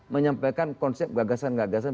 menyampaikan konsep gagasan gagasan